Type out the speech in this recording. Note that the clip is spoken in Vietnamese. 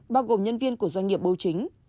bao gồm nhân viên của doanh nghiệp bầu chính